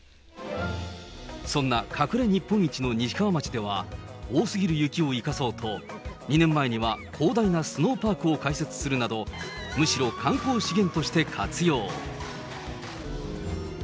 そんな隠れ日本一のにしかわ町では、多すぎる雪を生かそうと、２年前には広大なスノーパークを開設するなど、むしろ観光資源として活用。